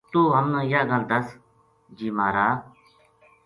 توہ ہم نا یاہ گل دس ! جی مہارا